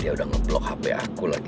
dia udah ngeblok hp aku lagi